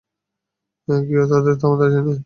কেউ তাদের থামাতে আসেনি।